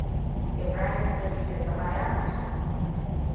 Ibrahim zai iya zama ya matsu.